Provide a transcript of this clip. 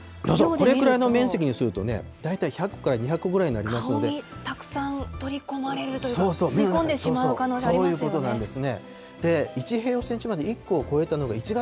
このくらいの面積にすると、大体１００個から２００個ぐらい顔にたくさん取り込まれるというか、吸い込んでしまう可能性ありますよね。